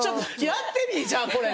やってみいじゃあこれ。